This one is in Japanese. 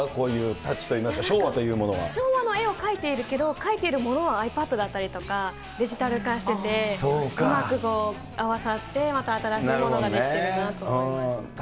タッチといいますか、昭和の絵を描いてるけど、描いてるものはｉＰａｄだったりとか、デジタル化してて、うまく合わさって、また新しいものが出来ているなと思いました。